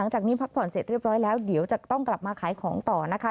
จะต้องกลับมาขายของต่อนะคะ